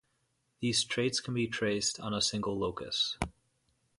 These traits can be traced on a single locus.